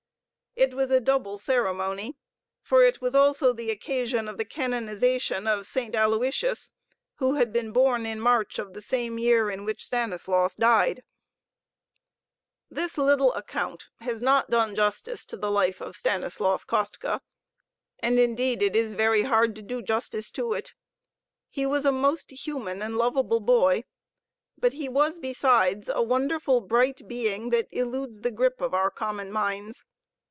It was a double ceremony, for it was also the occasion of the canonization of Saint Aloysius, who had been born in March of the same year in which Stanislaus died. This little account has not done justice to the life of Stanislaus Kostka; and, indeed, it is very hard to do justice to it. He was a most human and lovable boy, but he was besides a wonderful, bright being that eludes the grip of our common minds.